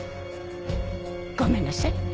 ごめんなさい。